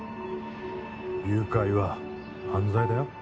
誘拐は犯罪だよ